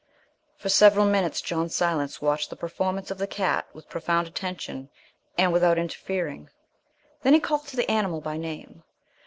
For several minutes John Silence watched the performance of the cat with profound attention and without interfering. Then he called to the animal by name.